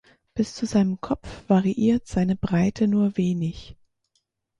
Bis zu seinem Kopf variiert seine Breite nur wenig.